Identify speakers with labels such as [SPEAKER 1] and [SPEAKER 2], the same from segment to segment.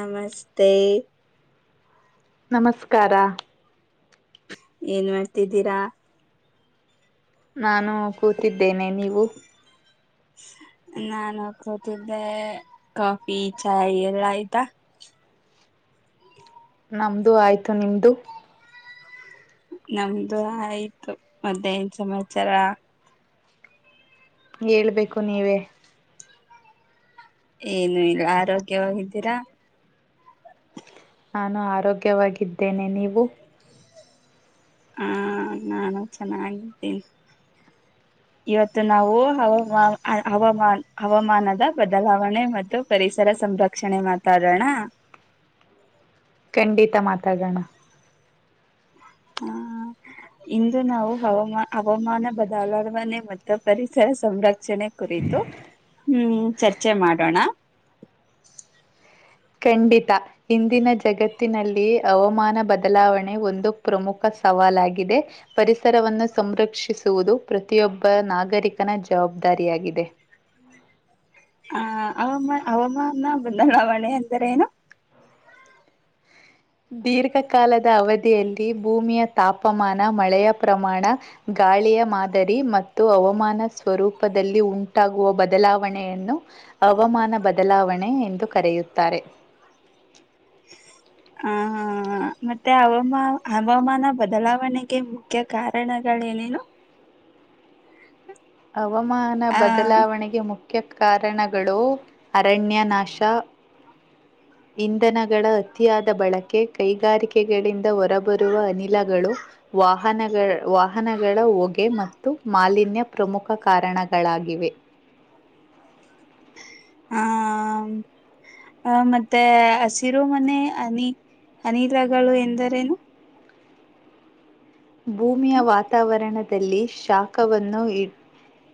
[SPEAKER 1] ನಮಸ್ತೆ
[SPEAKER 2] ನಮಸ್ಕಾರ
[SPEAKER 1] ಏನ್ ಮಾಡ್ತಿದ್ದೀರಾ
[SPEAKER 2] ನಾನು ಕೂತಿದ್ದೇನೆ ನೀವು
[SPEAKER 1] ನಾನು ಕೋತಿದ್ದೆ ಕಾಫಿ ಚಾಯ್ ಎಲ್ಲ ಆಯ್ತಾ
[SPEAKER 2] ನಮ್ದು ಆಯ್ತು ನಿಮ್ದು
[SPEAKER 1] ನಮ್ದು ಆಯ್ತು ಮಾತೆ ಏನೂ ಸಮಾಚಾರ
[SPEAKER 2] ಹೇಳ್ಬೇಕು ನೀವೇ
[SPEAKER 1] ಏನು ಇಲ್ಲ ಆರೋಗ್ಯವಾಗಿದ್ದೀರಾ
[SPEAKER 2] ನಾನು ಆರೋಗ್ಯವಾಗಿದ್ದೇನೆ ನೀವು
[SPEAKER 1] ಹಾ ನಾನು ಚೆನ್ನಾಗಿದ್ದೇನೆ ಇವತ್ತು ನಾವು ಹವಾಮ ಹವಾಮಾ ಹವಾಮಾನದ ಬದಲಾವಣೆ ಮತ್ತು ಪರಿಸರ ಸಂರಕ್ಷಣೆ ಮಾತಾಡೋಣ
[SPEAKER 2] ಖಂಡಿತ ಮಾತಾಗೋಣ
[SPEAKER 1] ಹ ಇಂದು ನಾವು ಹವಾಮ ಹವಾಮಾನ ಬದಲಾವಣೆ ಮತ್ತು ಪರಿಸರ ಸಂರಕ್ಷಣೆ ಕು ಹ್ಮ ಚರ್ಚೆ ಮಾಡೋಣ
[SPEAKER 2] ಖಂಡಿತ ಇಂದಿನ ಜಗತ್ತಿನಲ್ಲಿ ಹವಾಮಾನ ಬದಲಾವಣೆ ಒಂದು ಪ್ರಮುಖ ಸವಾಲಾಗಿದೆ ಪರಿಸರವನ್ನು ಸಂರಕ್ಷಿಸುವುದು ಪ್ರತಿಯೊಬ್ಬ ನಾಗರಿಕನ ಜವಾಬ್ದಾರಿ ದಾರಿಯಾಗಿದೆ
[SPEAKER 1] ಹ ಹಾಮ ಹವಾಮಾನ ಬದಲಾವಣೆ ಅಂದರೆ ಏನು
[SPEAKER 2] ದೀರ್ಘಕಾಲದ ಅವಧಿಯಲ್ಲಿ ಭೂಮಿಯ ತಾಪಮಾನ ಮಳೆಯ ಪ್ರಮಾಣ ಗಾಳಿಯ ಮಾದರಿ ಮತ್ತು ಹವಾಮಾನ ಸ್ವರೂಪದಲ್ಲಿ ಉಂಟಾಗುವ ಬದಲಾವಣೆಯನ್ನು ಹಾಮಾನ ಬದಲಾವಣೆ ಎಂದು ಕರೆಯುತ್ತಾರೆ
[SPEAKER 1] [inaudible] ಹ ಮತ್ತೆ ಹವಾಮಾ ಹವಾಮಾನ ಬದಲಾವಣೆಗೆ ಮುಖ್ಯ ಕಾರಣಗಳು ಮಳೆ ಏನೇನು
[SPEAKER 2] ಹವಾಮಾನ
[SPEAKER 1] ಆ
[SPEAKER 2] ಬದಲಾವಣೆಗೆ ಮುಖ್ಯ ಮುಖ್ಯ ಕಾರಣಗಳು ಅರಣ್ಯ ನಾಶ ಇಂಧನಗಳ ಅತಿಯಾದ ಬಳಕೆ ಕೈಗಾರಿಕೆಗಳಿಂದ ಹೊರಬರುವ ಅನಿಲಗಳು ವಾಹನಗಳ ವಾಹನಗಳ ಹೊಗೆ ಮತ್ತು ಮಾಲಿನ್ಯ ಪ್ರಮುಖ ಕಾರಣಗಳಾಗಿ ಇವೆ
[SPEAKER 1] [inaudible] ಹ ಹಾ ಮತ್ತೆ ಹಸಿರೋ ಮನೆ ಆನೆ ಅನಿಲಗಳು ಎಂದರೇನು
[SPEAKER 2] ಭೂಮಿಯ ವಾತಾವರಣದಲ್ಲಿ ಶಾಖವನ್ನು ಇ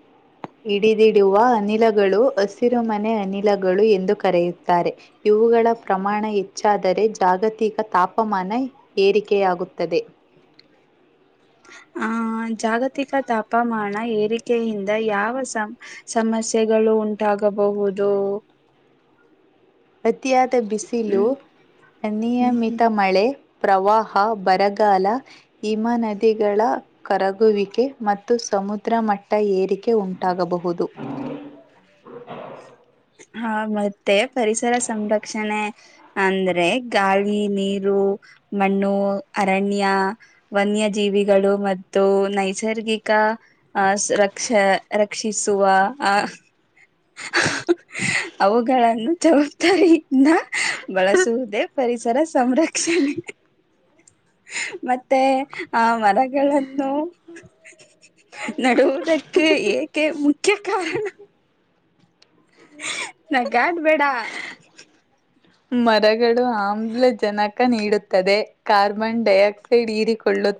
[SPEAKER 1] [inaudible]
[SPEAKER 2] ಹಿಡಿದಿಡುವ ಅನಿಲಗಳು ಹಸಿರು ಮನೆ ಅನಿಲಗಳು ಎಂದು ಕರೆಯುತ್ತಾರೆ ಇವು ಗಳ ಪ್ರಮಾಣ ಹೆಚ್ಚಾದರೆ ಜಾಗತಿಕ ತಾಪಮಾನ ಏರಿಕೆಯಾಗುತ್ತದೆ
[SPEAKER 1] [inaudible] ಆಹ ಜಾಗತಿಕ ತಾಪಮಾನ ಏರಿಕೆಯಿಂದ ಯಾವ ಸಮ ಸಮಸ್ಯೆಗಳು ಗಳು ಉಂಟಾಗಬಹುದು
[SPEAKER 2] ಅತಿಯಾದ ಬಿಸಿಲು
[SPEAKER 1] ಹ್ಮ್ ಹ್ಮ್ ಹ್ಮ್
[SPEAKER 2] ನಿಯಮಿತ ಮಳೆ ಪ್ರವಾಹ ಬರಗಾಲ ಹಿಮ ನದಿಗಳ ಕರಗುವಿಕೆ ಮತ್ತು ಸಮುದ್ರ ಮಟ್ಟ ಏರಿಕೆ ಉಂಟಾಗಬಹುದು
[SPEAKER 1] ಹ ಹ ಮತ್ತೆ ಪರಿಸರ ಸಂರಕ್ಷಣೆ ಅಂದ್ರೆ ಗಾಳಿ ನೀರು ಮಣ್ಣು ಅರಣ್ಯ ವನ್ಯಜೀವಿಗಳು ಮತ್ತು ನೈಸರ್ಗಿಕ ಆ ರಕ್ಷ ರಕ್ಷಿಸುವ ಆ ಅವುಗಳನ್ನು ಜವಾಬ್ದಾರಿಯಿಂದ ಬಳಸುವುದೇ ಪರಿಸರ ಸಂರಕ್ಷಣ ಮತ್ತೆ ಆ ಮರಗಳನ್ನು ನಡುವುದಕ್ಕೆ ಏಕೆ ಮುಖ್ಯ ಕಾರಣ ನ ಗಾಡ್ ಬೇಡ
[SPEAKER 2] ಮರಗಳು ಆಮ್ಲಜನಕ ನೀಡುತ್ತದೆ ಕಾರ್ಬನ್ ಡೈಆಕ್ಸೈಡ್ ಹೀರಿಕೊಳ್ಳು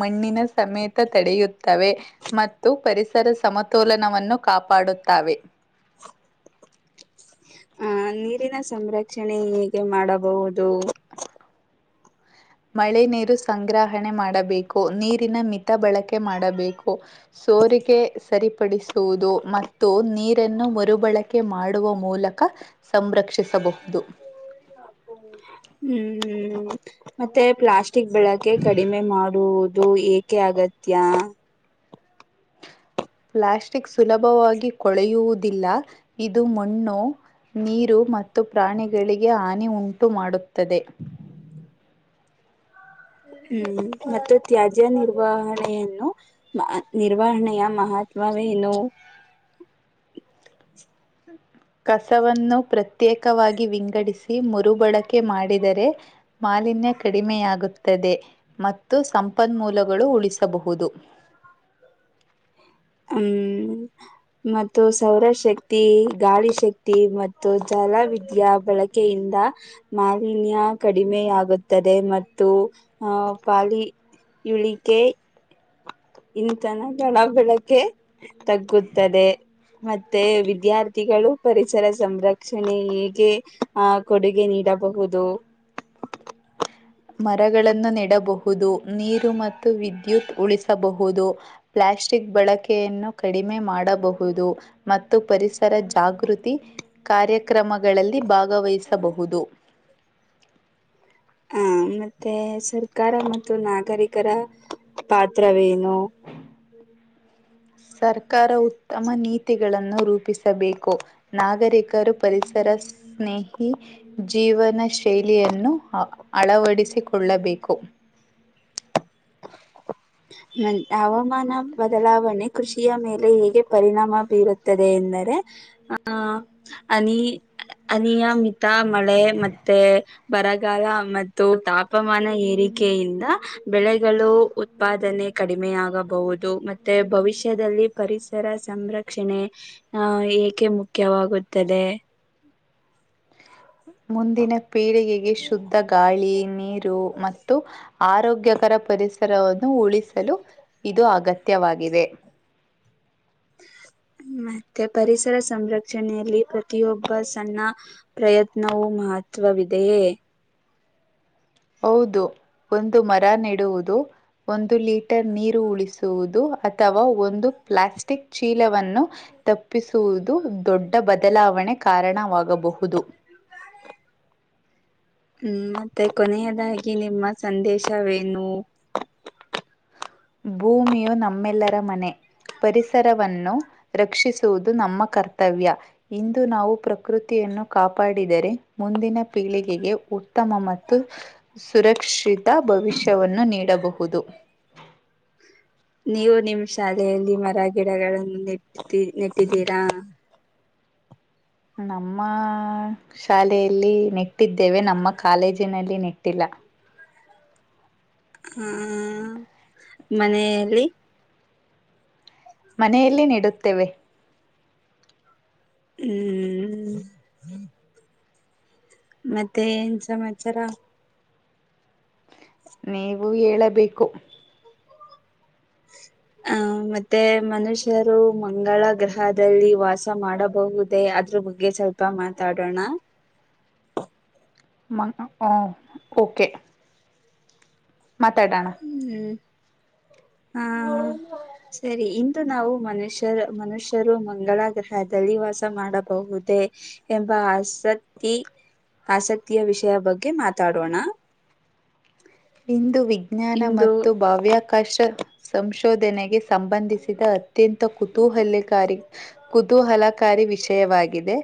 [SPEAKER 2] ಮಣ್ಣಿನ ಸಮೇತ ತಡೆಯುತ್ತವೆ ಮತ್ತು ಪರಿಸರ ಸಮತೋಲನವನ್ನು ಕಾಪಾಡುತ್ತವೆೆ
[SPEAKER 1] [inaudible] ಹ ನೀರಿನ ಸಂರಕ್ಷಣೆ ಹೀಗೆ ಮಾಡಬಹುದು
[SPEAKER 2] ಮಳೆ ನೀರು ಸಂಗ್ರಹಣೆ ಮಾಡಬೇಕು ನೀರಿನ ಮಿತ ಬಳಕೆ ಮಾಡಬೇಕು ಸೋರಿಗೆ ಸರಿ ಪಡಿಸುವುದು ಮತ್ತು ನೀರನ್ನು ಮರುಬಳಕೆ ಮಾಡುವ ಮೂಲಕ ಸಂರಕ್ಷಿಸಬಹುದು
[SPEAKER 1] ಹ್ಮ್ ಮತ್ತೆ ಪ್ಲಾಸ್ಟಿಕ್ ಬೆಳಕೆ ಕಡಿಮೆ ಮಾಡುವ ಇದು ಏಕೆ ಅಗತ್ಯ
[SPEAKER 2] ಪ್ಲಾಸ್ಟಿಕ್ ಸುಲಭವಾಗಿ ಕೊಳೆಯುವುದಿಲ್ಲ ಇದು ಮಣ್ಣು ನೀರು ಮತ್ತು ಪ್ರಾಣಿಗಳಿಗೆ ಹಾನಿ ಉಂಟು ಮಾಡುತ್ತದೆ
[SPEAKER 1] ಹ್ಮ್ ಮತ್ತು ತ್ಯಾಜ್ಯ ನಿರ್ವಹಣೆಯನ್ನು ನಿರ್ವಹಣೆಯ ಮಹತ್ ಮತ್ವಾವನು
[SPEAKER 2] ಕಸವನ್ನು ಪ್ರತ್ಯೇಕವಾಗಿ ವಿಂಗಡಿಸಿ ಮುರುಬಳಕೆ ಮಾಡಿದರೆ ಮಾಲಿನ್ಯ ಕಡಿಮೆಯಾಗುತ್ತದೆ ಮತ್ತು ಸಂಪನ್ಮೂಲಗಳು ಉಳಿಸಬಹುದು
[SPEAKER 1] ಹ್ಮ [unintelligible] ಹ್ಮ್ ಮತ್ತು ಸೌರಶಕ್ತಿ ಗಾಳಿ ಶಕ್ತಿ ಮತ್ತು ಜಲ ವಿದ್ಯಾ ಬಳಕೆ. ಇಂದ ಮಾಲಿನ್ಯ ಕಡಿಮೆಯಾಗುತ್ತದೆ ಮತ್ತು ಆ ಪಾಲಿ. ಇಳಿಕೆ ಇಂತನ ಗಡ ಬೆಳ [unintelligible] ಕೆ ತಗ್ಗುತ್ತದೆ ಮತ್ತೆ ವಿದ್ಯಾರ್ಥಿಗಳು ಪರಿಸರ ಸಂರಕ್ಷಣೆ ಹೇಗೆ ಆ ಕೊಡುಗೆ ನೀಡಿ. ಇಡಬಹುದು
[SPEAKER 2] ಮರಗಳನ್ನು ನೆಡಬಹುದು ನೀರು ಮತ್ತು ವಿದ್ಯುತ್ ಉಳಿಸಬಹುದು ಪ್ [unintelligible] ಪ್ಲಾಸ್ಟಿಕ್ ಬಳಕೆಯನ್ನು ಕಡಿಮೆ ಮಾಡಬಹುದು ಮತ್ತು ಪರಿಸರ ಜಾಗೃತಿ ಕಾರ್ಯಕ್ರಮಗಳಲ್ಲಿ ಭಾಗವಹಿಸಬಹುದು
[SPEAKER 1] ಹ ಮತ್ತೆ ಸರ್ಕಾರ ಮತ್ತು ನಾಗರಿಕರ ಪಾತ್ರ ವೇನು
[SPEAKER 2] ಸರ್ಕಾರ ಉತ್ತಮ ನೀತಿಗಳನ್ನು ರೂಪಿಸಬೇಕು ನಾಗರಿಕರು ಪರಿಸರ ಸ್ನೇಹಿ ಜೀವನ ಶೈಲಿಯನ್ನು ಅಳವಡಿಸಿಕೊಳ್ಳಬೇಕು.
[SPEAKER 1] [inaudible] ಮ ಹವಾಮಾನ ಬದಲಾವಣೆ ಕೃಷಿಯ ಮೇಲೆ ಹೇಗೆ ಪರಿಣಾಮ ಬೀರುತ್ತದೆ ಎಂದ ಆ ಅನಿ ಅನಿಯಮಿತ ಮಳೆ ಮತ್ತೆ ಬರಗಾಲ ಮತ್ತು ತಾಪಮಾನ ಏರಿಕೆಯಿಂದ ಬೆಳೆಗಳು ಉತ್ಪಾದನೆ ಕಡಿಮೆಯಾಗಬಹುದು ಮತ್ತೆ ಭವಿಷ್ಯದಲ್ಲಿ ಪರಿಸರ ಸಂರಕ್ಷಣೆ ಹ ಏಕೆ ಮುಖ್ಯವಾಗುತ್ತದೆ
[SPEAKER 2] ಮುಂದಿನ ಪೀಳಿಗೆಗೆ ಶುದ್ಧ ಗಾಳಿ ನೀರು ಮತ್ತು ಆರೋಗ್ಯಕರ ಪರಿಸರವನ್ನು ಉಳಿಸಲು ಇದು ಅಗತ್ಯವಾಗಿದೆ
[SPEAKER 1] [inaudible] ಮತ್ತೆ ಪರಿಸರ ಸಂರಕ್ಷಣೆಯಲ್ಲಿ ಪ್ರತಿಯೊಬ್ಬ ಸಣ್ಣ ಪ್ರಯತ್ನವೂ ಮಾಡ [unintelligible] ಮಹತ್ವವಿದೆಯೇ
[SPEAKER 2] ಹೌದು ಒಂದು ಮರ ನೀಡೆಡುವುದು ಒಂದು ಲೀಟರ್ ನೀರು ಉಳಿಸುವುದು ಅಥವಾ ಒಂದು ಪ್ಲಾಸ್ಟಿಕ್ ಚೀಲವನ್ನು ತಪ್ಪಿಸುವುದು ದು ದೊಡ್ಡ ಬದಲಾವಣೆ ಕಾರಣವಾಗಬಹುದು
[SPEAKER 1] ಹ್ಮ ಮತ್ತೆ ಕೊನೆಯದಾಗಿ ನಿಮ್ಮ ಸಂದೇಶವೇನು
[SPEAKER 2] ಭೂಮಿಯು ನಮ್ಮೆಲ್ಲರ ಮನೆ ಪರಿಸರವನ್ನು ರಕ್ಷಿಸುವುದು ನಮ್ಮ ಕರ್ತವ್ಯ ಇಂದು ನಾವು ಪ್ರಕೃತಿಯ ನ್ನು ಕಾಪಾಡಿದರೆ ಮುಂದಿನ ಪೀಳಿಗೆಗೆ ಉತ್ತಮ ಮತ್ತು ಸುರಕ್ಷಿತ ಭವಿಷ್ಯವನ್ನು ನೀಡಬಹುದು
[SPEAKER 1] [inaudible] ನೀವು ನಿಮ್ಮ್ ಶಾಲೆಯಲ್ಲಿ ಮರ ಗಿಡಗಳನ್ನು ನೆಟ್ಟ ನೆಟ್ಟಿದ್ದೀರಾ
[SPEAKER 2] ನಮ್ಮ ಶಾಲೆಯಲ್ಲಿ ನೆಟ್ಟಿದ್ದೇವೆ ನಮ್ಮ ಕಾಲೇಜಿನಲ್ಲಿ ನೆಟ್ಟಿಲ್ಲ
[SPEAKER 1] ಹ ಮನೆಯಲ್ಲಿ
[SPEAKER 2] ಮನೆಯಲ್ಲಿ ನೀಡುತ್ತೇವೆ
[SPEAKER 1] ಹ್ಮ್ ಮತ್ತೆ ಏನ್ ಸಮಾಚಾರ
[SPEAKER 2] ನೀವು ಹೇಳಬೇಕು
[SPEAKER 1] [inaudible] ಹ ಮತ್ತೆ ಮನುಷ್ಯರು ಮಂಗಳ ಗ್ರಹದಲ್ಲಿ ವಾಸ ಮಾಡಬಹುದೇ ಅ ಅ ಬಗ್ಗೆ ಸ್ವಲ್ಪ ಮಾತಾಡೋಣ
[SPEAKER 2] ಮ ಹ ಓಕೆ ಮಾತಾಡೋಣ
[SPEAKER 1] ಹ್ಮ್ ಹಾ ಸರಿ ಇಂದು ನಾವು ಮನುಷ್ಯರು ಮನುಷ್ಯರು ಮಂಗಳ ಗ್ರಹದಲ್ಲಿ ವಾಸ ಮಾಡಬಹುದು ುದ ಎಂಬ ಆಸಕ್ತಿ ಆಸಕ್ತಿಯ ವಿಷಯ ಬಗ್ಗೆ ಮಾತಾಡೋಣ
[SPEAKER 2] ಇಂದು ವಿಜ್ಞಾನ
[SPEAKER 1] ಇಂದು
[SPEAKER 2] ಮತ್ತು ಬಾಹ್ಯಾಕಾಶ ಸಂಶೋಧನೆಗೆ ಸಂಬಂಧಿಸಿದ ಅತ್ಯಂತ ಕುತೂಹಲಕಾರಿ ಕುತೂಹಲಕಾರಿ ವಿಷಯವಾಗಿದೆ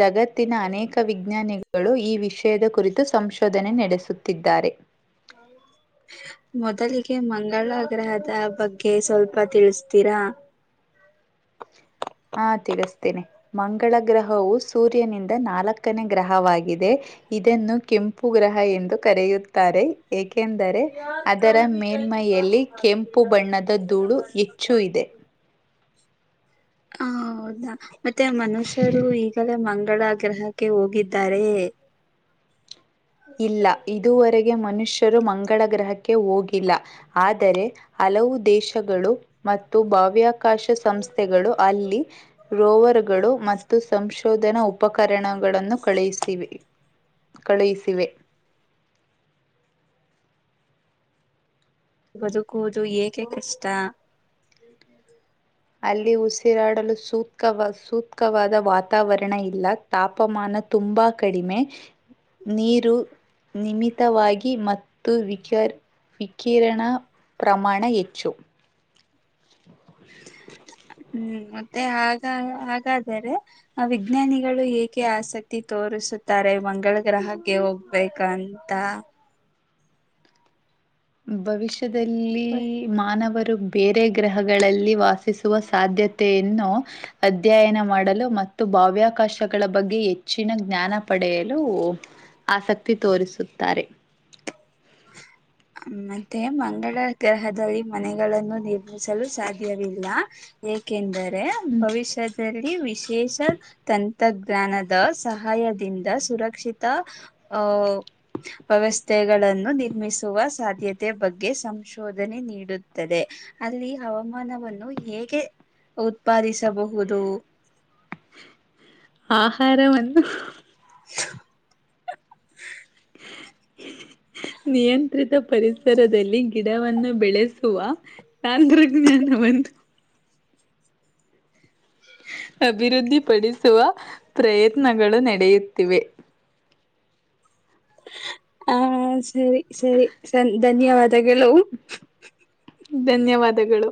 [SPEAKER 2] ಜಗತ್ತಿನ ಅನೇಕ ವಿಜ್ಞಾನಿಗಳು ಈ ವಿಷಯದ ಕುರಿತು ಸಂಶೋಧನೆ ನಡೆಸುತ್ತಿದ್ದಾರೆ
[SPEAKER 1] ಹ್ಮ ಮೊದಲಿಗೆ ಮಂಗಳ ಗ್ರಹದ ಬಗ್ಗೆ ಸ್ವಲ್ಪ ತಿಳಿಸತೀರಾ [inaudible]
[SPEAKER 2] ಹಾ ತಿಳಿಸ್ತೇನೆ ಮಂಗಳ ಗ್ರಹವು ಸೂರ್ಯನಿಂದ ನಾಲ್ಕನೇ ಗ್ರಹವಾಗಿದೆ ಇದನ್ನು ಕೆಂಪು ಗ್ರಹ ಎಂದು ಕರೆಯುತ್ತಾರೆಕೆ ಏಕೆಂದರೆ ಅದರ ಮೇನ್ಮಯಲ್ಲಿ ಕೆಂಪು ಬಣ್ಣದ ಧೂಳು ಹೆಚ್ಚು ಇದೆ
[SPEAKER 1] ಹೌದಾ ಮತ್ತೆ ಮನುಷ್ಯರು ಈಗಲೇ ಮಂಗ ಮಗಳಾಗ್ರಹಕ್ಕೆ ಹೋಗಿದ್ದಾರೆ
[SPEAKER 2] ಇಲ್ಲ ಇದುವರೆಗೆ ಮನುಷ್ಯ ಮಂಗಳ ಗ್ರಹಕ್ಕೆ ಹೋಗಿಲ್ಲ ಆದರೆ ಹಲವು ದೇಶಗಳು ಮತ್ತು ಭವ್ಯ ಅವಕಾಶ ಸಂಸ್ಥೆಗಳು ಅಲ್ಲಿ ರೋವರ್ಗಳು ಮತ್ತು ಸಂಶೋಧನಾ ಉಪಕರಣ ಗಳನ್ನು ಕಳುಹಿಸಿವೆ
[SPEAKER 1] [inaudible]
[SPEAKER 2] ಕಳುಹಿಸಿವೆ
[SPEAKER 1] ಬದುಕುವುದು ಏಕೆ ಕಷ್ಟ
[SPEAKER 2] ಅಲ್ಲಿ ಉಸಿರಾಡಲು ಸೂಕ್ ಸೂಕ್ತವಾದ ವಾತಾವರಣ ಇಲ್ಲ ತಾಪಮಾನ ತುಂಬಾ ಕಡಿಮೆ ನೀರು ಖಂಡಿತವಾಗಿ ಮತ್ತು ವಿಕರ್ ವಿಕಿರಣ ಪ್ರಮಾಣ ಹೆಚ್ಚು [inaudible]
[SPEAKER 1] ಹ್ಮ್ ಮತ್ತೆ ಹಾಗ ಹಾಗಾದರೆ ಆ ವಿಜ್ಞಾನಿಗಳು ಏಕೆ ಆಸಕ್ತಿ ತೋರಿಸುತ್ತೆ ಹತಾರೆ ಮಂಗಳ ಗ್ರಹಕ್ಕೆ ಹೋಗ್ಬೇಕಂತ
[SPEAKER 2] ಭವಿಷ್ಯದಲ್ಲಿ ಮಾನವರು ಬೇರೆ ಗ್ರಹಗಳಲ್ಲಿ ವಾಸ ವಿಸುವ ಸಾಧ್ಯತೆ ನ್ನು ಅಧ್ಯಯನ ಮಾಡಲು ಮತ್ತು ಬಾವ್ಯಾಕಾಶಗಳ ಬಗ್ಗೆ ಹೆಚ್ಚಿನ ಜ್ಞಾನ ಪಡೆಯ ಆಸಕ್ತಿ ತೋರಿಸುತ್ತಾರೆ
[SPEAKER 1] [inaudible] ಮತ್ತೆ ಮಂಗಳ ಗ್ರಹದಲ್ಲಿ ಮನೆಗಳನ್ನು ನಿರ್ಮಿಸಲು ಸಾಧ್ಯವಿಲ್ಲ ಏಕೆಂದರೆ ಭವಿಷ್ಯ ವಿಶೇಷ ತಂತ್ರಜ್ಞಾನದ ಸಹಾಯದಿಂದ ಸುರಕ್ಷಿತ ವ್ಯವಸ್ಥೆಗಳನ್ನು ನಿರ್ಮಿಸುವ ಸಾಧ್ಯತೆ ಬಗ್ಗೆ ಸಂಶೋಧನೆ ನೀಡುತ್ತದೆ ಅಲ್ಲಿ ಹವಾಮಾನ ನ್ನು ಹೇಗೆ ಉತ್ಪಾದಿಸಬಹುದು
[SPEAKER 2] ಆಹಾರವನ್ನು
[SPEAKER 1] [inaudible]
[SPEAKER 2] ನಿಯ ಪರಿಸರದಲ್ಲಿ ಗಿಡವನ್ನು ಬೆಳೆಸುವ ತಾಂ ಜ್ಞಾನ ಬಂದು ಅಭಿವೃದ್ಧಿಪಡಿಸುವ ಪ್ರಯತ್ನಗಳು ನಡೆಯುತ್ತಿವೆ
[SPEAKER 1] ಹ ಸರಿ ಸರಿ ಸನ್ ಧನ್ಯವಾದ ಲವು
[SPEAKER 2] ಧನ್ಯವಾದಗಳು